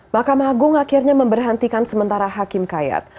mahkamah agung akhirnya memberhentikan sementara hakim kayat